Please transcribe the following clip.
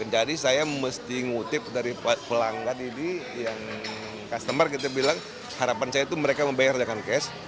jadi saya mesti ngutip dari pelanggan ini yang customer kita bilang harapan saya itu mereka membayar dengan cash